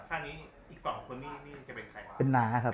อันนี้อีก๒คนนี่จะเป็นใคร